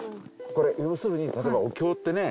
これ要するに例えばお経ってね